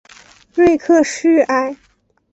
瑞克叙埃。